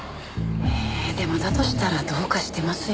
えでもだとしたらどうかしてますよ。